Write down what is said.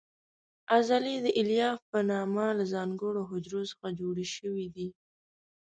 عضلې د الیاف په نامه له ځانګړو حجرو څخه جوړې شوې دي.